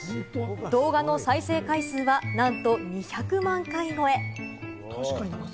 動画の再生回数はなんと２００万回超え。